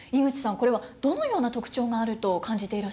これはどのような特徴があると感じていらっしゃいますか？